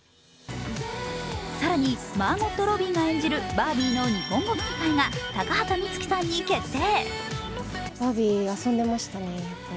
更にマーゴット・ロビーが演じるバービーの日本語吹き替えが高畑充希さんに決定。